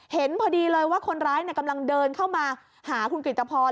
เห็นพอดีเลยว่าคนร้ายกำลังเดินเข้ามาหาคุณกริตภร